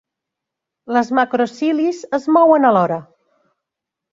Les macro cilis es mouen alhora.